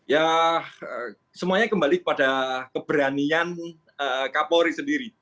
ya semuanya kembali pada keberanian kapolri sendiri